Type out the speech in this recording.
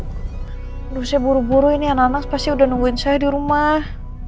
kalau saya buru buru ini anak anak pasti udah nungguin saya di rumah